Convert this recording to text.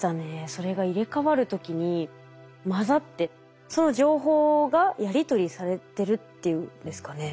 それが入れ替わる時に混ざってその情報がやり取りされてるっていうんですかね。